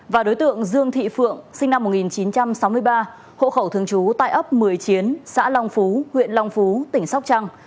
và đối tượng dương thị phượng sinh năm một nghìn chín trăm sáu mươi ba hộ khẩu thường trú tại ấp một mươi chiến xã long phú huyện long phú tỉnh sóc trăng